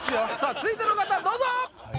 続いての方どうぞ！